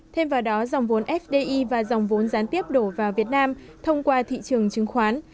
thêm vào đó dòng vốn fdi và dòng vốn gián tiếp đổ vào việt nam thông qua thị trường chứng khoán